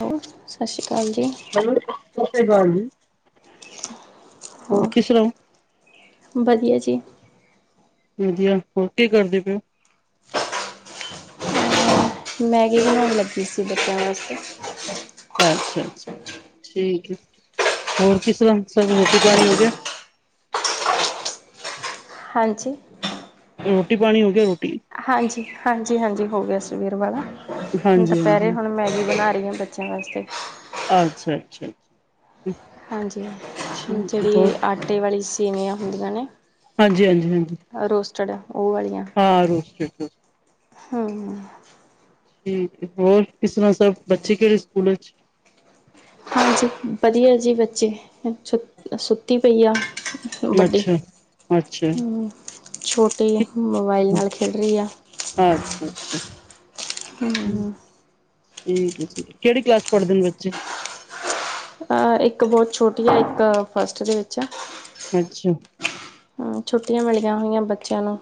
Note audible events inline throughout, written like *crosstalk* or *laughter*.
ਹੋਰ ਸਤਿ ਸ਼੍ਰੀ ਅਕਾਲ ਜੀ ਹੈਲੋ ਸਤਿ ਸੀ ਅਕਾਲ ਜੀ ਹੋਰ ਕਿਸ ਤਰ੍ਹਾਂ ਹੋ? ਵਧੀਆ ਜੀ ਵਧੀਆ ਹੋਰ ਕੀ ਕਰਦੇ ਪਏ ਹੌ ਮੈਗੀ ਬਣਾਉਣ ਲੱਗੀ ਸੀ ਬੱਚਿਆਂ ਵਾਸਤੇ ਅੱਛਾ ਅੱਛਾ ਠੀਕ ਹੈ ਹੋਰ ਕਿਸ ਤਰ੍ਹਾਂ ਸਭ ਰੋਟੀ ਪਾਣੀ ਹੋ ਗਿਆ ਹਾਂਜੀ ਰੋਟੀ ਪਾਣੀ ਹੋ ਗਿਆ ਹੌ ਹਾਂਜੀ ਹਾਂਜੀ ਹਾਂਜੀ ਹੋ ਗਿਆ ਸਵੇਰ ਵਾਲਾ ਹਾਂਜੀ ਦੁਪਹਿਰੇ ਹਾਂਜੀ ਹੁਣ ਮੈਗੀ ਬਣਾ ਰਹੀ ਆ ਬੱਚਿਆਂ ਵਾਸਤੇ ਅੱਛਾ ਅੱਛਾ ਅਛਾ ਹਾਂਜੀ ਹੈ ਜਿਹੜੀ ਏ ਹੋਰ ਆਟੇ ਵਾਲੀ ਸੇਵੀਆਂ ਹੁੰਦੀਆਂ ਨੇ ਹਾਂਜੀ ਹਾਂਜੀ ਹਾਂਜੀ ਅ ਰੌਸਟਡ ਉਹ ਵਾਲੀਆ ਹਾਂ ਰੋਸਟਡ ਰੋਸਟਡ ਹੂੰ ਠੀਕ ਹੋਰ ਕਿਸ ਤਰ੍ਹਾਂ ਸਭ ਬੱਚੇ ਕਿਹੜੇ ਸਕੂਲਾਂ ਚ ਹਾਂਜੀ ਵਧੀਆ ਜੀ ਬੱਚੇ ਸੁੱ ਸੁੱਤੀ ਪਈ ਆ ਅੱਛਾ ਅੱਛਾ ਅੱਛਾ ਹੂੰ ਛੋਟੀ ਮੋਬਾਈਲ ਨਾਲ ਖੇਡ ਰਹੀ ਆ ਅੱਛਾ ਅੱਛਾ ਹੂ ਹਮ ਠੀਕ ਏ ਜੀ ਕਿਹੜੀ ਕਲਾਸ ਚ ਪੜ੍ਹਦੇ ਨੇ ਬੱਚੇ ਆ ਇੱਕ ਬਹੁਤ ਛੋਟੀ ਆ ਇੱਕ ਫਸਟ ਦੇ ਵਿੱਚ ਆ ਅੱਛਾ ਹਾਂ ਛੁੱਟੀਆਂ ਮਿਲੀਆਂ ਹੋਈਆਂ ਬੱਚਿਆਂ ਨੂੰ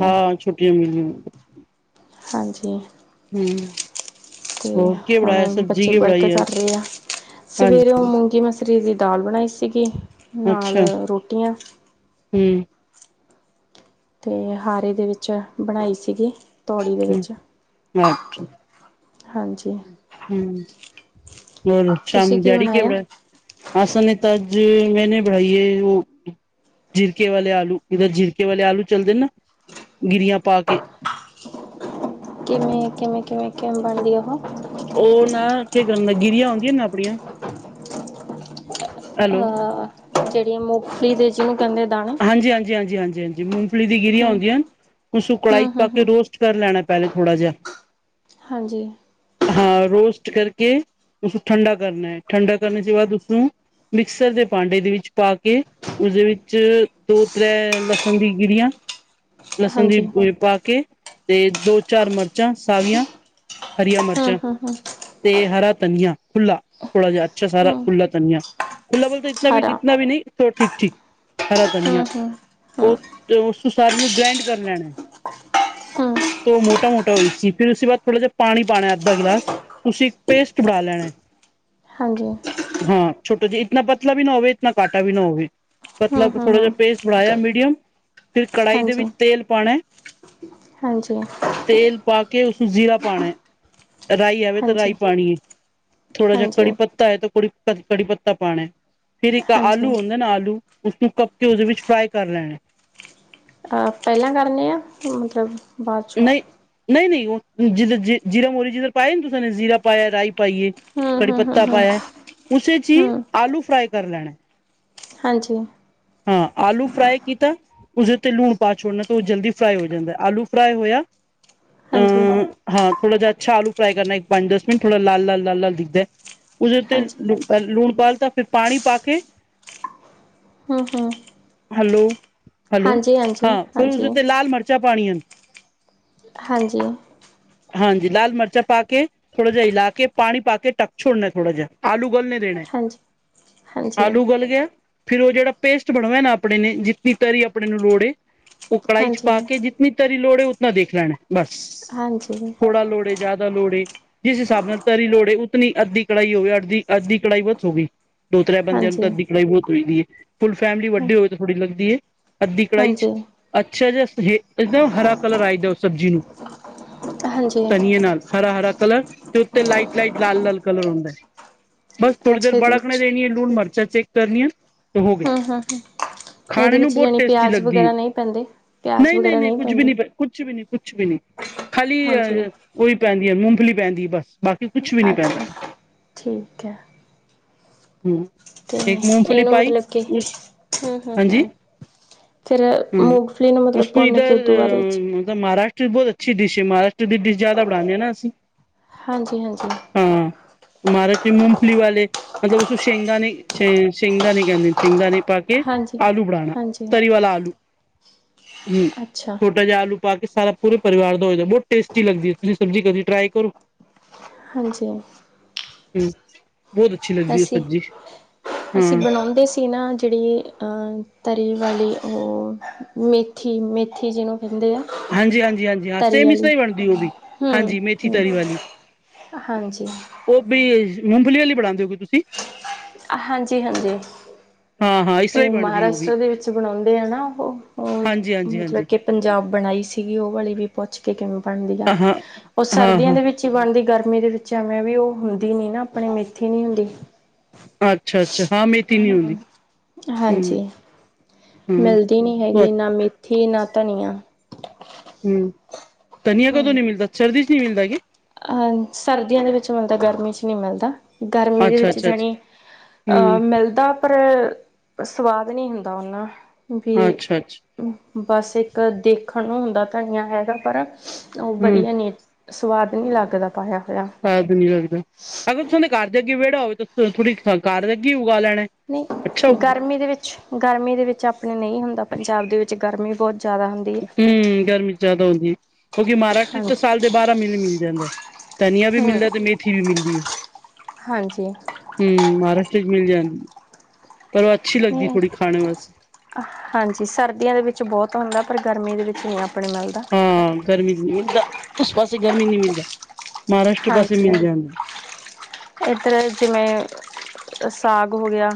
ਹਾਂ ਛੁੱਟੀਆਂ ਮਿਲੀਆਂ ਹਾਂਜੀ ਹੂੰ ਅਤੇ ਹੁਣ ਬੱਚੇ ਵਰਕ ਕਰ ਰਹੇ ਆ ਸਵੇਰੇ ਹਾਂਜੀ ਓ ਮੂੰਗੀ ਮਸ ਮਸਰੀ ਦੀ ਦਾਲ ਬਣਾਈ ਸੀਗੀ ਨਾਲ ਰੋਟੀਆਂ ਹੂ ਤੇ ਹਾੜ੍ਹੇ ਦੇ ਵਿੱਚ ਬਣਾਈ ਸੀਗੀ ਤੌੜੀ ਦੇ ਹੂ ਵਿੱਚ ਅੱਛਾ ਹੂ ਹਾਂਜੀ। ਹਾਂਜੀ ਹੋਰ ਤੁਸੀਂ ਸ਼ਾਮ ਕੀ ਦਿਹਾੜੀ ਬਣਾਇਆ? ਕਿਵੜਾ ਅਸਾਂ ਨੇ ਤੇ ਅੱਜ ਮੈਨੇ ਬਣਾਈ ਏ ਓ ਜੀਰਕੇ ਵਾਲੇ ਆਲੂ ਜਿੱਦਾਂ ਜੀਰਕੇ ਵਾਲੇ ਆਲੂ ਚੱਲਦੇ ਨਾ ਗਿਰੀਆਂ ਪਾ ਕੇ ਕਿਵੇਂ ਕਿਵੇਂ ਕਿਵੇਂ ਕਿਵੇ ਬਣਦੀ ਉਹੋ ਉਹ ਨਾ ਕੇ ਗਿਰੀਆਂ ਹੁੰਦੀਆਂ ਨੇ ਆਪਣੀਆਂ ਹੈਲੋ ਅ ਜਿਹੜੀ ਮੂੰਗਫਲੀ ਦੇ ਜਿਹਨੂੰ ਕਹਿੰਦੇ ਦਾਣੇ ਹਾਂਜੀ ਹਾਂਜੀ ਹਾਂਜੀ ਹਾਂਜੀ ਹਾਂਜੀ ਮੂੰਗਫਲੀ ਦੀ ਗਿਰੀਆਂ ਹੂੰ ਹੁੰਦੀਆਂ ਹਨ ਉਸ ਨੂੰ ਕੜਾਈ ਹੂੰ ਚ ਹੂੰ ਪਾ ਕੇ ਹੂੰ ਰੋਸਟ ਚਲ ਲੈਣਾ ਪਹਿਲੇ ਥੋੜਾ ਜਿਹਾ ਹਾਂਜੀ ਹਾਂ ਰੋਸਟ ਕਰਕੇ ਉਸਨੂੰ ਠੰਡਾ ਕਰਨਾ ਹੈ ਠੰਡਾ ਕਰਨ ਤੋਂ ਬਾਅਦ ਉਸਨੂੰ ਮਿਕਸਰ ਦੇ ਭਾਂਡੇ ਦੇ ਵਿੱਚ ਪਾ ਕੇ ਉਹਦੇ ਵਿੱਚ ਦੋ ਤ੍ਰੈ ਲਸਣ ਦੀ ਗਿਰੀਆਂ ਲਸਣ ਦੀ ਹਾਂਜੀ ਪਾ ਕੇ ਤੇ ਦੋ ਚਾਰ ਮਰਚਾਂ ਸਾਵੀਆਂ ਹਰੀਆਂ ਹੂੰ ਮਰਚਾਂ ਹੂੰ ਹੂੰ ਤੇ ਹਰਾ ਧਨੀਆਂ ਖੁੱਲਾ ਥੋੜਾ ਜਿਹਾ ਅੱਛਾ ਸਾਰਾ ਹੂੰ, ਖੁੱਲਾ ਧਨੀਆਂ ਖੁਲਾਬਲ ਤਾਂ ਇਤਨਾ ਵੀ ਹਰਾ ਟਿਕਣਾ ਵੀ ਨਹੀਂ ਠੀਕ ਠੀਕ ਹਰਾ ਹੂੰ, ਧਨੀਆ ਹੂੰ, ਹੂੰ, ਉਹ ਤੇ ਉਸਨੂੰ ਸਾਰੀ ਨੂੰ ਗ੍ਰੈਂਡ ਕਰਨਾ ਹੂੰ, ਤੋਂ ਮੋਟਾ ਮੋਟਾ ਹੋਈ ਸੀ ਫਿਰ ਉਸ ਦੇ ਬਾਦ ਥੋੜਾ ਜ ਪਾਣੀ ਪਾਉਣਾ ਅੱਧਾ ਗਿਲਾਸ। ਤੁਸੀਂ ਇੱਕ ਪੇਸਟ ਬਣਾ ਲੈਣਾ ਐ। ਹਾਂਜੀ। ਹਾਂ ਛੋਟਾ ਜੀ ਇਤਨਾ ਪਤਲਾ ਵੀ ਨਾ ਹੋਵੇ, ਇਤਨਾ ਕਾਂਟਾ ਵੀ ਨਾ ਹੋਵੇ। ਹੂੰ, ਮਤਲਬ ਹੂੰ, ਥੋੜ੍ਹਾ ਹੂੰ, ਜਿਹਾ ਪੇਸਟ ਬਣਾਇਆ ਮੀਡੀਅਮ, ਫਿਰ ਕੜਾਹੀ ਦੇ ਹਾਂਜੀ, ਵਿੱਚ ਤੇਲ ਪਾਉਣਾ ਏ ਹਾਂਜੀ। ਤੇਲ ਪਾ ਕੇ ਉਸਨੂੰ ਜ਼ੀਰਾ ਪਾਣਾ ਏ। ਰਾਈ ਹੈਵੇ ਤਾਂ ਹਾਂਜੀ, ਰਾਈ ਪਾਣੀ ਹੈ, ਥੋੜਾ ਜਿ ਹਾਂਜੀ, ਕੜੀ ਪੱਤਾ ਹੈ ਤਾਂ ਕੜੀ ਕੜੀ ਪੱਤਾ ਪਾਂਣਾ ਏ, ਫਿਰ ਇੱਕ ਹਾਂਜੀ। ਅ ਆਲੂ ਹੁੰਦਾ ਹੈ ਨਾ ਆਲੂ ਉਸਨੂੰ ਕੱਪ ਕੇ ਉਸਦੇ ਵਿੱਚ ਫਰਾਈ ਕਰ ਲੈਣਾ ਏ। ਅਹ ਪਹਿਲਾਂ ਕਰਨੇ ਆ ਮਤਲਬ ਬਾਅਦ ਚੋਂ ਨਹੀਂ-ਨਹੀਂ-ਨਹੀਂ ਉਹ ਜੀਂਦੇ ਜੀ ਜੀਰਾ ਮੋਰੀ ਜਿਧਰ ਪਾਇਆ ਨੀ ਤੁਸੀਂ ਨੇ ਜ਼ੀਰਾ ਪਾਇਆ, ਰਾਈ ਪਾਈਏ ਹੂੰ, ਕੜੀ ਹੂੰ, ਹੂੰ, ਪੱਤਾ ਹੂੰ, ਪਾਇਆ ਏ, ਉਸੇ ਚ ਹੀ ਹੂੰ। ਆਲੂ ਫਰਾਈ ਕਰ ਲੈਣਾ ਏ। ਹਾਂਜੀ। ਹਾਂ ਆਲੂ ਫਰਾਈ ਕੀਤਾ, ਉਸਦੇ ਤੇ ਲੂਣ ਪਾ ਛੋੜਨਾ, ਤਾਂ ਉਹ ਜਲਦੀ ਫਰਾਈ ਹੋ ਜਾਂਦਾ ਏ। ਆਲੂ ਫਰਾਏ ਹੋਇਆ। ਹਾਂਜੀ। ਅ ਹਾਂ ਥੋੜਾ ਜਿਹਾ ਅੱਛਾ ਆਲੂ ਫਰਾਈ ਕਰਨਾ, ਇੱਕ ਪੰਜ-ਦਸ ਮਿੰਟ ਥੋੜਾ ਲਾਲ-ਲਾਲ-ਲਾਲ-ਲਾਲ ਦਿਖਦਾ ਹੈ। ਉਸਦੇ ਤੇ ਹਾਂਜੀ, ਲੂਣ ਪਾਲਿਤਾ, ਫਿਰ ਪਾਣੀ ਪਾ ਕੇ ਹਮ-ਹਮ। ਹੈਲੋ-ਹੈਲੋ, ਹਾਂ ਫਿਰ ਹਾਂਜੀ, ਉਸਦੇ ਉਤੇ ਲਾਲ ਮਿਰਚਾਂ ਪਾਉਣੀਆਂ ਹਨ। ਹਾਂਜੀ। ਹਾਂਜੀ ਲਾਲ ਮਿਰਚਾਂ ਪਾ ਕੇ, ਥੋੜਾ ਜਿਹਾ ਹਿਲਾ ਕੇ, ਪਾਣੀ ਪਾ ਕੇ, ਟਕ ਛੋੜਨਾ ਥੋੜਾ ਜਿਹਾ। ਆਲੂ ਗਲ ਨੇ ਦੇਣਾ, ਹਾਂਜੀ। ਹਾਂਜੀ, ਹਾਂਜੀ, ਆਲੂ ਗਲ ਗਿਆ। ਫਿਰ ਉਹ ਜਿਹੜਾ ਪੇਸਟ ਬਣਦਾ ਹੇਨਾ ਆਪਣੇ ਨੇ ਜਿਨੀ ਤਰੀ ਆਪਣੇ ਨੂੰ ਲੋੜ ਏ, ਉਹ ਕੜਾਹੀ ਚ ਪਾ ਕੇ ਜ ਤਰੀ ਲੋੜ ਹੈ ਉਤਨਾ ਦੇਖ ਲੈਣਾ ਬਸ, ਥੋੜਾ ਲੋੜ ਹੈ, ਜ਼ਿਆਦਾ ਲੋੜ ਹੈ। ਜਿਸ ਹਿਸਾਬ ਨਾਲ ਤਰੀ ਲੋੜੇ ਏ, ਉਤਨੀ ਅੱਧੀ ਕੜਾਹੀ ਹੋਵੇ ਅੱਧੀ-ਅੱਧੀ ਕੜਾਈ ਬਹੁਤ ਹੋ ਗਈ। ਦੋ-ਤ੍ਰੈ ਬੰਦਿਆਂ ਨੂੰ ਹਾਂਜੀ, ਤਾ ਅੱਧੀ ਕੜਾਈ ਬਹੁਤ ਹੋ ਜਾਂਦੀ ਹੈ। ਫੁੱਲ ਫੈਮਲੀ ਵੱਡੇ ਹੋਏ ਤਾਂ ਥੋੜੀ ਲੱਗਦੀ ਹੈ। ਅੱਧੀ ਕੜਾਹੀ ਚ ਹਾਂਜੀ, ਅੱਛਾ ਜਿਹਾਦ ਹਰਾ ਕਲਰ ਆਈਦਾ ਉਹ ਸਬਜ਼ੀ ਨੂੰ। *unintelligible* ਹਾਂਜੀ, ਧਨੀਏ ਨਾਲ ਹਰਾ-ਹਰਾ ਕਲਰ। ਤੇ ਉਤੇ ਲਾਈਟ- ਲਾਈਟ ਲਾਲ-ਲਾਲ ਕਲਰ ਹੁੰਦਾ ਏ, ਬਸ ਥੋੜ੍ਹੀ ਦੇਰ ਅੱਛਾ ਇਹਦੇ ਵਿੱਚ ਬੜਕਣੇ ਦੇਣੀ ਏ ਲੂਣ ਮਰਚ ਚ ਚੈੱਕ ਕਰਨੀ ਆ। ਹਮ ਹੂੰ ਹ, ਇਹਦੇ ਖਾਣੇ ਨੂੰ ਵਿੱਚ ਬਹੁਤ ਜਾਣੀ ਟੇਸਟੀ ਪਿਆਜ਼ ਲੱਗਦੀ ਹੈ ਵਗੈਰਾ ਨਹੀਂ ਪੈਂਦੇ, ਪਿਆਜ਼ ਵਗੈਰਾ ਨਹੀਂ ਪੈਂਦੇ। ਕੁਛ ਵੀ ਨੀ, ਕੁਛ ਵੀ ਨੀ ਖਾਲੀ ਹਾਂਜੀ ਅਅ ਉਹੀ ਪੈਂਦੀ ਹੈ, ਮੂੰਗਫਲੀ ਪੈਂਦੀ ਹੈ ਬਸ। ਬਾਕੀ ਕੁਛ ਵੀ ਨੀ ਪੈਂਦਾ, ਅੱਛਾ ਠੀਕ ਹੈ ਹਮ। ਤੇ ਇਹਨੂੰ ਮਤਲਬ ਕਿ ਹਮ ਹ ਹਮ। ਫਿਰ ਮੂੰਗਫਲੀ ਨੂੰ ਮਤਲਬ ਭੁੰਨ ਕੇ ਉਹ ਤੋਂ ਬਾਅਦ ਵਿੱਚ ਮਤਲਬ ਮਹਾਰਾਸ਼ਟਰ ਦੀ ਬਹੁਤ ਅੱਛੀ ਡਿਸ਼ ਹੈ, ਮਹਾਰਾਸ਼ਟਰ ਦੀ ਡਿਸ਼ ਜਿਆਦਾ ਬੜਣਾਉਦੇ ਹਾਂ ਅਸੀਂ। ਹਾਂਜੀ-ਹਾਂਜੀ। ਮਹਾਰਾਸ਼ਟਰ ਚ ਮੂੰਗਫਲੀ ਵਾਲੇ ਮਤਲਬ ਉਸੂੰਊ ਸ਼ੇਗਦਾਨੀ ਸ਼ ਸ਼ੇਗਦਾਨੀ ਕਹਿੰਦੇ ਸ਼ੇਗਦਾਨੀ। ਪਾ ਕੇ ਹਾਂਜੀ ਆਲੂ ਬਣਾਣਾ ਹਾਂਜੀ ਤਰੀ ਵਾਲਾ ਆਲੂ ਹਮ। ਅੱਛਾ। ਛੋਟਾ ਜਿਹਾ ਆਲੂ ਪਾ ਕੇ ਸਾਰ ਪੂਰੇ ਪਰਿਵਾਰ ਦਾ ਹੋ ਜਾਂਦਾ, ਬਹੁਤ ਟੇਸਟੀ ਲਗਦੀ ਤੁਸੀਂ ਸਬਜ਼ੀ ਕਦੀ ਟ੍ਰਈ ਕਰੋ। ਹਾਂਜੀ। ਹਮ ਬਦ ਅਸੀਂ-ਅਸੀਂ ਬਣਾਉਂਦੇ ਸੀ ਨਾ ਜਿਹੜੀ ਤਰੀ ਵਾਲੀ ਉਹ ਮੇਥੀ ਮੇਥੀ ਜਿਹਨੂੰ ਕਹਿੰਦੇ ਆ। ਹਾਂਜੀ, ਹਾਂਜੀ, ਹਾਂਜੀ ਹਾਂ ਤਰੀ ਸੇਮ ਇਸ ਤਰਾ ਵਾਲੀ ਹੀ ਬਣਦੀ ਉਹ ਵੀ ਹੂੰ ਹਾਂਜੀ ਮੇਥੀ ਹੂੰ ਤਰੀ ਵਾਲੀ। ਹਾਂਜੀ। ਉਹ ਵੀ ਮੂੰਗਲੀ ਵਾਲੀ ਬਣਾਉਂਦੇ ਹੋਗੇ ਤੁਸੀਂ। ਹਾਂਜੀ, ਹਾਂਜੀ। ਹਾਂ-ਹਾਂ ਇਸ ਤਰ੍ਹਾਂ ਹੀ ਉਹ ਬਣਦੀ ਵੀ ਮਹਾਰਾਸ਼ਟਰ ਦੇ ਵਿੱਚ ਬਣਾਉਂਦੇ ਆ ਨਾ ਉਹ ਮਤਲਬ ਹਾਂਜੀ-ਹਾਂਜੀ-ਹਾਂਜੀ ਕਿ ਪੰਜਾਬ ਬਣਾਈ ਸੀਗੀ ਉਹ ਵਾਲੀ ਵੀ ਪੁੱਛ ਕੇ ਕਿਵੇਂ ਬਣਦੀ ਆ ਹਾਂ ਉਹ ਸਰਦੀਆਂ ਹਾਂ-ਹਾਂ ਦੇ ਵਿੱਚ ਵਿਚੀ ਬਣਦੀ ਗਰਮੀ ਦੇ ਵਿੱਚ ਐਵੇਂ ਵੀ ਉਹ ਹੁੰਦੀ ਨੀ ਨਾ ਆਪਣੇ ਮੇਥੀ ਨੀ ਹੁੰਦੀ। ਅੱਛਾ-ਅੱਛਾ ਹਾਂ ਮੇਥੀ ਨੀ ਹੁੰਦੀ ਹਮ ਹਾਂਜੀ। ਹੂੰ-ਹੂੰ ਮਿਲਦੀ ਨਹੀਂ ਹੂੰ ਹੈਗੀ ਨਾ ਮੇਥੀ ਨਾ ਧਨੀਆ। ਹਮ ਧਨੀਆਂ ਕਦੋਂ ਨਹੀਂ ਮਿਲਦਾ ਸਰਦੀ ਚ ਨਹੀਂ ਮਿਲਦਾ ਕੀ। ਅਹ ਸਰਦੀਆਂ ਦੇ ਵਿੱਚ ਮਿਲਦਾ ਗਰਮੀ ਚ ਨਹੀਂ ਮਿਲਦਾ। ਗਰਮੀ ਦੇ ਵਿੱਚ ਅੱਛਾ-ਅੱਛਾ-ਅੱਛਾ ਜਾਣੀ ਅਹ ਹੂੰ ਮਿਲਦਾ। ਪਰ ਸਵਾਦ ਨਹੀਂ ਹੁੰਦਾ ਓਨਾ ਵੀ। ਅੱਛਾ-ਅੱਛਾ ਬਸ ਇੱਕ ਦੇਖਣ ਨੂੰ ਹੁੰਦਾ ਧਣੀਆ ਹੈਗਾ ਪਰ ਉਹ ਹੂੰ ਵਧੀਆ ਨੀ ਸਵਾਦ ਨੀ ਲੱਗਦਾ। ਸਵਾਦ ਨੀ ਲੱਗਦਾ ਅਗਰ ਤੁ ਦੇ ਘਰ ਦੇ ਅੱਗੇ ਵਿਹੜਾ ਹੋਵੇ ਤਾਂ ਥੋੜੀ ਘਰ ਦੇ ਅੱਗੇ ਉਗਾ ਲੈਣਾ। ਅੱਛਾ ਨਹੀਂ ਉਗ ਗਰਮੀ ਦੇ ਵਿੱਚ। ਗਰਮੀ ਦੇ ਵਿੱਚ ਆਪਣੇ ਨਹੀਂ ਹੁੰਦਾ ਪੰਜਾਬ ਦੇ ਵਿੱਚ ਗਰਮੀ ਬਹੁਤ ਜ਼ਿਆਦਾ ਹੁੰਦੀ। ਹੈ ਹਮ ਗਰਮੀ ਚ ਜ਼ਿਆਦਾ ਹੁੰਦੀ ਹੈ ਕਿਉਂਕਿ ਮਹਾਰਾਸ਼ਟਰਰੀ ਚ ਤਾਂ ਹਾਂਜੀ ਸਾਲ ਦੇ ਬਾਰਾਂ ਮਹੀਨੇ ਮਿਲ ਜਾਂਦਾ। ਧਨੀਆ ਵੀ ਮਿਲਦਾ ਹਮ ਤੇ ਮੇਥੀ ਵੀ ਮਿਲਦੀ। ਹਾਂਜੀ। ਹਮ ਮਹਾਰਾਸ਼ਟਰ ਚ ਮਿਲ ਜਾਂਦੀ ਪਰ ਉਹ ਅੱਛੀ ਲੱਗਦੀ ਨਹੀਂ ਥੋੜੀ ਖਾਣੇ ਵਾਸਤੇ। ਹਾਂਜੀ ਸਰਦੀਆਂ ਦੇ ਵਿੱਚ ਬਹੁਤ ਹੁੰਦਾ ਪਰ ਗਰਮੀ ਦੇ ਵਿੱਚ ਨਹੀਂ ਆਪਣੇ ਮਿਲਦਾ। ਹਾਂ ਗਰਮੀ ਨਹੀਂ ਮਿਲਦਾ ਉਸ ਪਾਸੇ ਗਰਮੀ ਨਹੀਂ ਮਿਲਦਾ। ਮਹਾਰਾਸ਼ਟਰ ਪਾਸੇ ਹਾਂਜੀ। ਮਿਲ ਜਾਂਦਾ ਇੱਧਰ ਜਿਵੇਂ ਸਾਗ ਹੋ ਗਿਆ।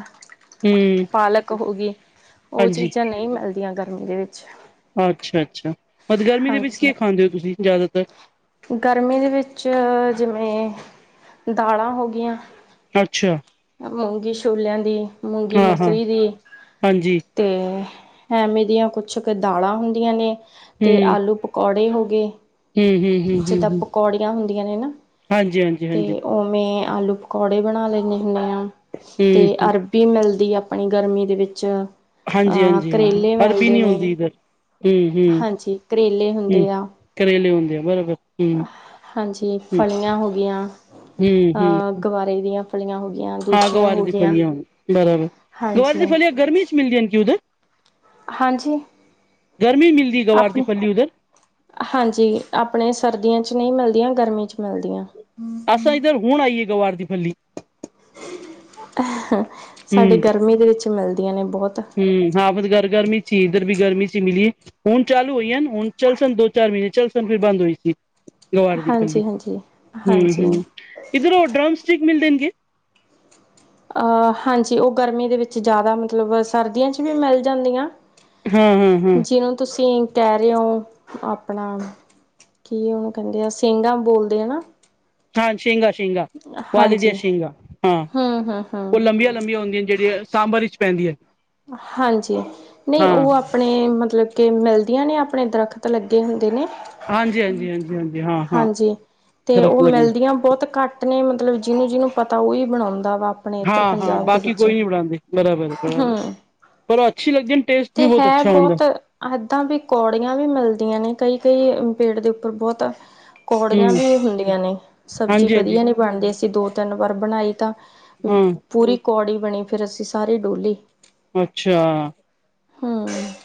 ਹਮ ਪਾਲਕ ਹੋ ਗਈ ਉਹ ਹਾਂਜੀ ਚੀਜ਼ਾਂ ਨਹੀਂ ਮਿਲਦੀਆਂ ਗਰਮੀ ਦੇ ਵਿੱਚ ਅੱਛਾ, ਅੱਛ ੳਹ ਤੇ ਗਰਮੀ ਦੇ ਵਿੱਚ ਹਾਂਜੀ ਕੀ ਖਾਂਦੇ ਹੋ ਤੁਸੀਂ ਜ਼ਿਆਦਾਤਰ ਗਰਮੀ ਦੇ ਵਿੱਚ ਜਿਵੇਂ ਦਾਲਾਂ ਹੋ ਗਈਆਂ ਅੱਛਾ ਮੂੰਗੀ ਛੋਲਿਆਂ ਦੀ ਮੂੰਗੀ ਹਾਂ ਹਾਂ ਮਸਰੀ ਦੀ ਹਾਂਜੀ ਤੇ ਐਵੇਂ ਦੀਆਂ ਕੁਛ ਕੁ ਦਾਲਾਂ ਹੁੰਦੀਆਂ ਨੇ ਤੇ ਹਮ ਆਲੂ -ਪਕੌੜੇ ਹੋ ਗਏ ਹਮ ਹਮ ਹਮ ਹਮ ਜਿੱਦਾਂ ਹਮ ਪਕੋੜੀਆਂ ਹੁੰਦੀਆਂ ਨੇ ਨਾ ਹਾਂਜੀ ਹਾਂਜੀ ਤੇ ਹਾਂਜੀ ਉਹਵੇਂ ਆਲੂ ਪਕੌੜੇ ਬਣਾ ਲੈਂਦੇ ਹੁੰਦੇ ਹਾਂ ਤੇ ਅਰਬ ਹਮ -ਅਰਬੀ ਮਿਲਦੀ ਆਪਣੀ ਗਰਮੀ ਦੇ ਵਿੱਚ ਹਾਂਜੀ ਅ ਹਾਂਜੀ ਹਾਂ ਹਾਂ ਕਰੇਲੇ ਅਰਬੀ ਮਿਲਦੇ ਨਹੀਂ ਨੇ ਹੁੰਦੀ ਇੱਧਰ ਹਮ ਹਮ ਹਾਂਜੀ, ਕਰੇਲੇ ਹਮ ਹੁੰਦੇ ਆ ਕਰੇਲੇ ਹੁੰਦੇ ਆ ਬਰਾਬਰ ਹਮ ਹਾਂਜੀ, ਫਲੀਆਂ ਹੋ ਗਈਆਂ ਹੁੰ-ਹੁੰ ਹ ਗਵਾਰੇ ਦੀਆਂ ਫਲੀਆਂ ਹੋਆਂ ਹਾਂ ਗਵਾਰ ਦੀ ਫਲੀਆਂ ਬਰਾਬਰ ਗਵਾਰੀ ਹਾਂਜੀ ਦੀ ਫਲੀਆਂ ਗਰਮੀ ਚ ਮਿਲਦੀ ਹਨ ਕਿ ਉਦਰ ਹਾਂਜੀ ਗਰਮੀ'ਚ' ਮਿਲਦੀ ਗਵਾਰ ਦੀ ਆਪਣੇ ਫਲੀ ਉਧਰ ਹਾਂਜੀ ਆਪਣੇ ਸਰਦੀਆਂ ਚ ਨਹੀਂ ਮਿਲਦੀਆਂ ਗਰਮੀ 'ਚ' ਮਿਲਦੀਆਂ, ਅਛਾ ਇਧਰ ਹੁਣ ਆਈਏ ਗਵਾਰ ਦੀ ਫੱਲੀ ਸਾਡੇ ਗਰਮੀ ਦੇ ਵਿੱਚ ਮਿਲਦੀਆਂ ਨੇ ਬਹੁਤ ਹੂੰ ਹਾਂ ਫੇਰ ਗਰ ਗਰਮੀ ਛੀ ਇਧਰ ਵੀ ਗਰਮੀ ਛੀ ਮਿਲੀ ਏ ਹੁਣ ਚਾਲੂ ਹੋਈ ਅਨ ਹੁਣ ਚੱਲ ਸਨ ਦੋ-ਚਾਰ ਮਹੀਨੇ ਚੱਲ ਸਨ ਫਿਰ ਬੰਦ ਹੋਏ ਗੀ। ਗਵਾਰ ਦੀ ਫਲੀ ਹਾਂਜੀ ਹਾਂਜੀ ਹਾਂਜੀ ਹੂੰ-ਹੂੰ ਇੱਧਰੋਂ ਡਰਮ ਸਟਿਕ ਮਿਲਦੇ ਨੇ ਗੇ। ਅ ਹਾਂਜੀ ਉਹ ਗਰਮੀ ਦੇ ਵਿੱਚ ਜ਼ਿਆਦਾ ਮਤਲਬ ਸਰਦੀਆਂ ਚ ਵੀ ਮਿਲ ਜਾਂਦੀਆਂ। ਜੀਨੂੰ ਤੁਸੀਂ। ਕਹਿ ਰੇ ਔ, ਆਪਣਾਂ ਕੀ ਉਹਨੂੰ ਕਹਿੰਦੇ ਆ ਸਿੰਗਾਂ ਬੋਲਦੇ ਆ ਨਾ ਹਾਂ ਛੀਗਾ-ਛੀਗਾ ਵਾਲੇ ਦੀਆਂ ਹਾਂਜੀ ਸ਼ੀਗਾ, ਹਾਂ ਹਮ ਹਮ ਹਮ ਉਹ ਲੰਬੀਆਂ-ਲੰਬੀਆਂ ਹੁੰਦੀਆਂ ਜਿਹੜੀਆਂ। ਸਾਂਬਰ ਵਿੱਚ ਪੈਂਦੀਆਂ ਹਾਂਜੀ ਨਹੀਂ ਹਾਂ ਓ ਅਪ ਆਪਣੇ ਮਤਲਬ ਕੇ ਮਿਲਦੀਆਂ ਨੇ, ਆਪਣੇ ਦਰਖ਼ਤ ਲੱਗੇ ਹੁੰਦੇ ਨੇ ਹਾਂਜੀ ਹਾਂਜੀ ਹਾਂਜੀ ਹਾਂਜੀ ਹਾਂ ਹਾਂ ਹਾਂਜੀ ਤੇ ਓ ਦਰਖਤ ਲੱਗੇ ਮਿਲਦੀਆਂ ਬਹੁਤ ਘੱ ਟ ਨੇ ਮਤਲਬ ਜੀਨੂੰ ਜੀਨੂੰ ਪਤਾਂ ਉਈ ਬਣਾਉਂਦਾ ਵਾ ਆਪਣੇ ਇੱਧਰ ਹਾਂ- ਹਾਂ ਪੰਜਾਬ ਦੇ ਬਾਕੀ ਵਿੱਚ ਕੋਈ ਨੀਂ ਬਣਾਦੇ ਬਰਾਬਰ -ਬਰਾਬਰ। ਹਮ ਪਰ ਅੱਛੀ ਲਗਦੀ ਐ, ਐਡ ਟੇਸਟ ਵੀ ਬਹੁਤ ਅੱਛਾ ਆਉਦਾ ਐਦਾਂ ਵੀ ਕੌੜੀਆਂ ਵੀ ਮਿਲਦੀਆਂ ਨੇ ਕਈ- ਕਈ ਪੇੜ ਦੇ ਉੱਪਰ ਬਹੁਤ ਕੌੜੀਆਂ ਹਮ ਵੀ ਹੁੰਦੀਆਂ ਨੇ, ਸਬਜ਼ੀ ਹਾਂਜੀ ਹਾਂਜੀ ਵਧੀਆਂ ਨੀਂ ਬਣਦੀ ਅਸੀਂ ਦੋ-ਤਿੰਨ ਵਾਰ ਬਣਾਈ ਤਾਂ ਹਾਂ ਪੂਰੀ ਕੌੜੀ ਬਣੀ ਫੇਰ ਅਸੀਂ ਸਾਰੀ ਡੋਲੀ ਅੱਛਾ। ਹੂੰ।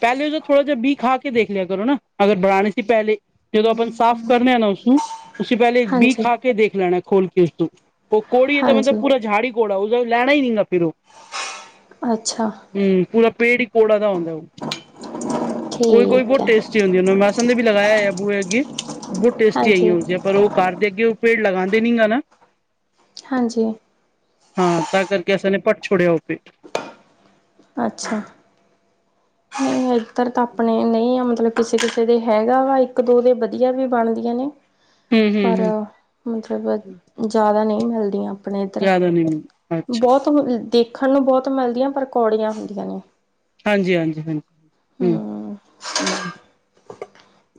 ਪਹਿਲੇ ਜੇ ਥੋੜਾ ਜਾ ਬੀ ਖਾਂ ਕੇ ਦੇਖ ਲ਼ਿਆ ਕਰੋਂ ਨਾ, ਅਗਰ ਬਣਾਨੇ ਸੀ ਪਹਿਲੇ। ਜਦੋਂ ਆਪਾਂ ਨ ਸਾਫ਼ ਕਰਨਾ ਨਾ ਉਸਨੂੰ ਉਸੇ ਪਹਿਲੇ ਬੀ ਹਾਂਜੀ ਖਾ ਕੇ ਦੇਖ ਲੈਣਾ ਖੋਲ ਕੇ ਉਸਤੋ। ਉਹ ਕੋੜੀ ਐ ਤਾਂ ਮਤਲਬ ਹਾਂਜੀ ਪੂਰਾ ਝਾੜ ਈ ਕੋੜਾ ਉਸਦਾ ਲੈਣਾ ਹੀ ਨਗਾ ਫਿਰ ਓ ਅੱਛਾ ਹੂੰ ਪੂਰਾ ਪੇੜ ਹੀ ਕੋੜਾ ਦਾ ਹੁੰਦਾ ਓ ਕੋਈ-ਕੋਈ ਠੀਕ ਬਹੁਤ ਹੈ ਟੇਸਟੀ ਹੁੰਦੀ ਐ, ਉਹੇ ਨੇ ਵੀ ਲਗਾਇਆ ਹੈ ਨਮ‌‌ ਲੱਸਨ ਦਾ ਵੀ ਲਗਾਇਆਂ ਹੋਇਆ ਬੂਹੇ ਅੱਗੇ ਬਹੁਤ ਟੇਸਟੀ ਆਈ ਹਾਂਜੀ ਹੁੰਦੀਂ ਐ, ਪਰ ਉਹ ਘਰ ਦੇ ਅੱਗੇ ਉਹ ਪੇੜ ਲਗਾਂਦੇ ਨੀ ਗਾ ਨਾ। ਹਾਂਜੀ। ਹਾਂ ਤਾਂ ਕਰਕੇ ਅਸਾਂ ਨੇ ਪੱਟ ਛੋੜਿਆ ਓ ਪੇ ਅੱਛਾ। ਨਈ ਏਧਰ ਤਾਂ ਆਪਣੇ ਨਈ ਆ ਮਤਲਬ ਕਿਸੇ-ਕਿਸੇ ਦੇ ਹੈਗਾ ਵਾ, ਇੱਕ ਦੋ ਦੇ ਵਧੀਆਂ ਵੀ ਬਣਦੀਆਂ ਨੇ ਹੂੰ ਹੂੰ ਪਰ ਹੂੰ ਮਤਲਬ ਜਾਦਾ ਨਹੀਂ ਮਿਲਦੀਆਂ ਆਪਣੇ ਏਧਰ, ਯਾਦ ਆ ਨਹੀਂ ਮੈਨੂੰ ਅੱਛਾ ਬਹੁਤ ਦੇਖਣ ਨੂੰ ਬਹੁਤ ਮਿਲਦੀਆਂ ਪਰ ਕੌੜੀਆਂ ਹੁੰਦੀਆਂ ਨੇ ਹਾਂਜੀ- ਹਾਂਜੀ, ਹਾਂਜੀ ਹਮ ਹੂੰ।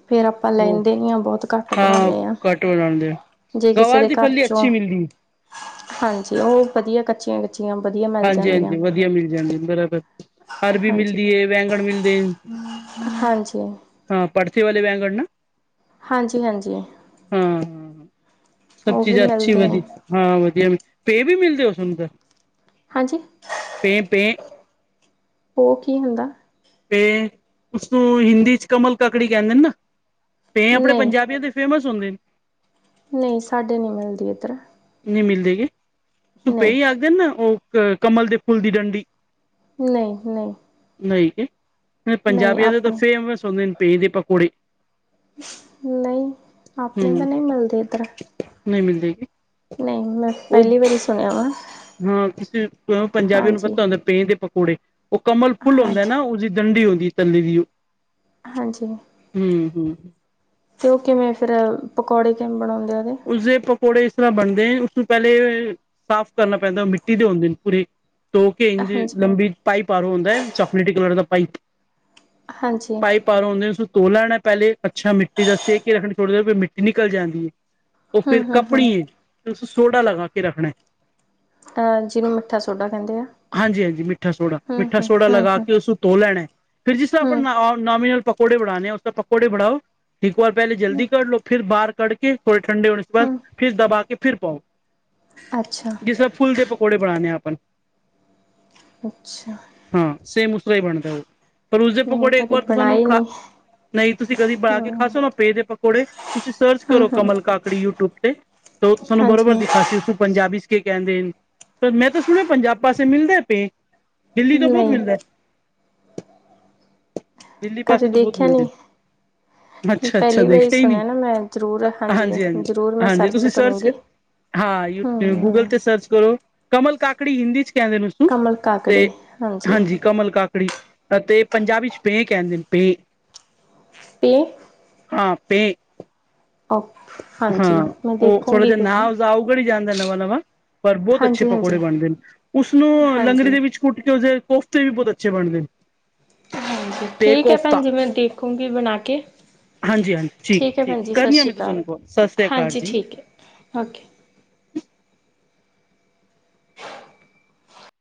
ਫੇਰ ਆਪਾਂ ਹੋਰ ਲੈਂਦੇ ਨੀ ਆ, ਬਹੁਤ ਘੱਟ ਹਾਂ ਬਣਾਉਂਨੇ ਆ। ਘੱਟ ਬਣਾਉਂਦੇ ਆ, ਜੇ ਕਿਸੇ ਗਵਾਰ ਦੇ ਦੀ ਘਰ ਫੱਲੀ ਚੋਂ, ਅੱਛੀ ਮਿਲਦੀ ਹਾਂਜੀ ਓ ਵਧੀਆਂ ਕੱਚੀਆਂ- ਕੱਚੀਆਂ ਵਧੀਆਂ ਮ ਹਾਂਜੀ -ਹਾਂਜੀ ਵਧੀਆਂ ਮਿਲ਼ ਜਾਂਦੇ, ਬਰਾਬਰ। ਅਰਬੀ ਹਾਂਜੀ ਮਿਲਦੀ ਏ, ਬੈਂਗਣ ਮਿਲ਼ਦੇ ਹਾਂਜੀ ਆ ਭੜਥੇ ਵਾਲੇ ਵੈਗਣ ਨਾ। ਹਾਂਜੀ- ਹਾਂਜੀ। ਹਾਂ ਹਾਂ ਸਭ ਉਹ ਵੀ ਚੀਜ਼ਾਂ ਅੱਛੀ ਮਿਲਦੇ ਨੇ ਵਧੀਆਂ, ਹਾਂ ਵਧੀਆਂ ਮਿਲ਼ ਤੁਸੀਂ ਵੀ ਮਿਲਦੇ ਹੋ ਫੇਰ ਅੰਦਰ। ਹਾਂਜੀ। ਪੇ-ਪੇ। ਉਹ ਕੀ ਹੁੰਦਾਂ। ਪੇ ਉਸਨੂੰ ਹਿੰਦੀ ਚ ਕਮਲ ਕੱਕੜੀ ਕਹਿੰਦੇ ਨੇ ਨਾ, ਪੇ ਆਪਣੇ ਨਹੀਂ ਪੰਜਾਬੀਆਂ ਦੇ ਫੇਮਸ ਹੁੰਦੇ ਨੇ। ਨਹੀਂ ਸਾਡੇ ਨਹੀਂ ਮਿਲਦੀ ਇੱਧਰ ਨਹੀਂ ਮਿਲਦੇ ਗਏ ਪੇ, ਨਹੀਂ ਹੀ ਆਖਦੇ ਨੇ ਨਾ ਉਹ ਕਮਲ ਦੇ ਫੁੱਲ ਦੀ ਡੰਡੀ। ਨਹੀਂ, ਨਹੀਂ ਨਹੀਂ, ਨਹੀਂ ਪੰਜਾਬੀਆਂ ਦੇ ਤਾਂ ਆਪਣੇ ਫੇਮਸ ਹੁੰਦੇ ਨੇ, ਪੇ ਦੇ ਪਕੌੜੇ। ਨਹੀਂ, ਆਪਣੇ ਤਾਂ ਹਮ ਨਹੀਂ ਮਿਲਦੇ ਇੱਧਰ। ਨਹੀਂ ਮਿਲ ਜਾਏਗੀ। ਨਹੀਂ, ਮੈਂ ਪਹਿਲੀ ਵਾਰੀ ਸੁਣਿਆ ਵਾਂ। ਹਾਂ, ਕਿਸੇ ਪੰਜਾਬੀ ਨੂੰ ਪਤਾ ਹੁੰਦਾ ਭੇਂ ਦੇ ਪਕੌੜੇ। ਉਹ ਕਮਲ ਫੁੱਲ ਹੁੰਦਾ ਹਾਂਜੀ ਨਾ, ਉਸਦੀ ਡੰਡੀ ਹੁੰਦੀ ਤੱਲੀ ਦੀ। ਹਾਂਜੀ। ਹਮ- ਹਮ। ਤੇ ਉਹ ਕਿਵੇਂ ਫੇਰ, ਪਕੌੜੇ ਕਿਵੇਂ ਬਣਾਉਂਦੇ ਉਦੇ। ਉਸਦੇ ਪਕੌੜੇ ਇਸ ਤਰ੍ਹਾਂ ਬਣਦੇ। ਉਸਨੂੰ ਪਹਿਲੇ ਸਾਫ਼ ਕਰਨਾ ਪੈਂਦਾ, ਉਹ ਮਿੱਟੀ ਦੇ ਹੁੰਦੇ ਨੇ ਪੂਰੇ। ਧੋ ਕੇ ਇੰਝ ਹਾਂਜੀ ਲੰਬੀ ਪਾਈਪ ਆਰ ਹੁੰਦਾ ਹੈ, ਚੋਕਲੇਟੀ ਕਲਰ ਦਾ ਪਾਈਪ। ਹਾਂਜੀ। ਪਰ ਉਂਦੇਨ ਤੋਲਾਣਾ ਪਹਿਲੇ, ਅੱਛਾ ਮਿੱਟੀ ਦਾ ਸੇਕ ਕੇ ਰੱਖ ਛੋੜਦੇ ਵੀ ਮਿੱਟੀ ਨਿਕਲ ਜਾਂਦੀ ਹੈ। ਉਹ ਹੂੰ ਫਿਰ ਹੂੰ ਹੂੰ ਕੱਪਣੀ ਹੈ, ਫੇਰ ਉਸੇ ਸੋਡਾ ਲਗਾ ਕੇ ਰੱਖਣਾ ਹੈ। ਅਹ ਜਿਹਨੂੰ ਮਿੱਠਾ ਸੋਡਾ ਕਹਿੰਦੇ ਆ। ਹਾਂਜੀ ਹਾਂਜੀ ਮਿੱਠਾ ਸੋਡਾ, ਹੂੰ ਮਿੱਠਾ ਹੂੰ ਸੋਡਾ ਹੂੰ ਲਗਾ ਹੂੰ ਕੇ ਉਸਨੂੰ ਧੋ ਲੈਣਾ ਹੈ। ਫਿਰ ਜਿਸਦਾ ਹਾਂ, ਹੂੰ ਆਪਾਂ ਨਾਮਮੀਨਲ ਪਕੌੜੇ ਬਣਾਉਣੇ, ਉਸ ਤਰਾ ਪਕੌੜੇ ਬਣਾਓ। ਇੱਕ ਵਾਰ ਪਹਿਲੇ ਹੂੰ ਜਲਦੀ ਕਰ ਲੋ, ਫਿਰ ਬਾਹਰ ਕਡਕੇ ਥੋੜੇ ਠੰਡੇ ਹੋਣੇ ਬਾਦ ਹੂੰ ਫਿਰ ਦਬਾ ਕੇ ਫਿਰ ਪਾਓ। ਅੱਛਾ। ਜਿਸ ਤਰਾ ਫੁੱਲ ਦੇ ਪਕੌੜੇ ਬਣਾਨਣੇ ਆ ਆਪਾਂ। ਅੱਛਾ। ਹਾਂ ਸੇਮ ਉਸਤਰਾ ਹੀ ਬਣਦਾ ਉਹ, ਪਰ ਉਸਦੇ ਨਹੀਂ ਪਕੌੜੇ ਇੱਕ ਕਦੇ ਵਾਰ ਸਾਨੂੰ ਬਣਾਏ ਖਾ ਨਹੀਂ ਨਹੀਂ ਤੁਸੀਂ ਕਦੀ ਬਣਾ ਕੇ ਖਾ ਹੂੰ ਸਕੋ ਨਾ ਪੇ ਦੇ ਪਕੌੜੇ, ਤੁਸੀਂ ਸਰਚ ਕਰੋ। ਹੂੰ-ਹੂੰ, ਕਮਲ ਕਾਕੜੀ ਯੂਟਿਊਬ ਤੇ ਤੁਾਨੂੰ ਹਾਂਜੀ ਬਰੋਬਰ ਦਿਖਾ ਸੀ ਪੰਜਾਬੀ ਕੇ ਕਹਿੰਦੇ। ਪਰ ਮੈਂ ਤਾਂ ਸੁਣਿਆ ਪੰਜਾਬ ਪਾਸੇ ਮਿਲਦਾ ਪੇ। ਦਿੱਲੀ ਤੋਂ ਬਹੁਤ ਨਹੀਂ ਮਿਲਦਾ। ਦਿੱਲੀ ਕਦੇ ਪਾਸੇ ਤੋਂ ਬਹੁਤ ਦੇਖਿਆ ਮਿਲਦੇ, ਨਹੀਂ। ਅੱਛਾ ਅੱਛਾ ਪਹਿਲੀ ਵਾਰੀ ਦੇਖਿਆ ਹੀ ਨਹੀਂ। ਸੁਣਿਆ ਨਾ ਮੈਂ ਜ਼ਰੂਰ ਹਾਂਜੀ- ਹਾਂਜੀ, ਜ਼ਰੂਰ ਮੈਂ ਹਾਂਜੀ ਤੁਸੀਂ ਸਰਚ ਕਰੂੰਗੀ। ਹਾਂ ਯੂਟਿਊਬ ਗੂਗਲ ਹੂੰ, ਤੇ ਸਰਚ ਕਰੋ। ਕਮਲ ਕਾਕੜੀ ਹਿੰਦੀ ਚ ਕਹਿੰਦੇ ਨੇ। ਉਸਨੂੰ ਕਮਲ ਕਾਕੜੀ ਤੇ ਹਾਂਜੀ। ਕਮਲ ਕਾਕੜੀ ਅਤੇ ਪੰਜਾਬੀ ਚ ਭੇਂ ਕਹਿੰਦੇ ਨੇ, ਭੇਂ। ਇਹ ਹਾਂ ਭੇਂ। ਓ ਹਾਂ ਹਾਂਜੀ ਮੈਂ ਉਹ ਥੋੜਾ ਦੇਖੂੰਗੀ ਜਿਹਾ ਕੋਈ ਨਾ ਵਜਾਓ। ਪੜੀ ਜਾਂਦਾ ਨਵਾਂ-ਨਵਾਂ ਪਰ ਬੋਤ ਅੱਛੇ ਹਾਂਜੀ-ਹਾਂਜੀ, ਪਕੌੜੇ ਹਾਂਜੀ। ਬਣਦੇ ਨੇ, ਉਸਨੂੰ ਲੰਗੜੀ ਹਾਂਜੀ ਦੇ ਵਿੱਚ ਕੁੱਟ ਕੇ, ਉਸਦੇ ਕੋਫਤੇ ਵੀ ਬੋਤ ਅੱਛੇ ਬਣਦੇ ਨੇ। ਹਾਂਜੀ, ਪੇ ਠੀਕ ਐ ਭੈਣ ਕੋਫਤਾ ਜੀ, ਮੈਂ ਦੇਖੂੰਗੀ ਬਣਾ ਕੇ। ਹਾਂਜੀ-ਹਾਂਜੀ, ਠੀਕ ਹੈ ਠੀਕ-ਠੀਕ ਭੈਣ ਜੀ ਸਤਿ ਕਰਨੀ ਆਂ, ਸ਼੍ਰੀ ਮੈਂ ਤੁਸਾ ਅਕਾਲ। ਨੂੰ ਕੋਲ। ਸਤਿ ਸ੍ਰੀ ਅਕਾਲ ਹਾਂਜੀ, ਜੀ। ਠੀਕ ਐ ਔਕੇ।